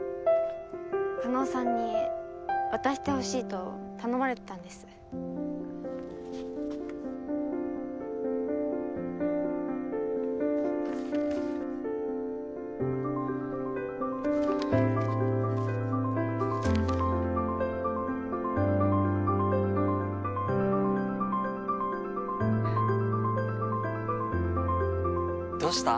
叶さんに渡してほしいと頼まれてたんですふっどうした？